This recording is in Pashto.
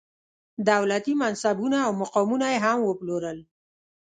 دولتي منصبونه او مقامونه یې هم وپلورل.